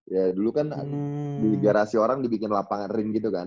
ya dulu kan di garasi orang dibikin lapangan ring gitu kan